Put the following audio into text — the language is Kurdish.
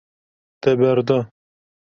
Te berda.